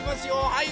はい。